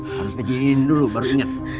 harus digiin dulu baru ingat